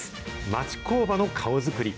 町工場の顔作り！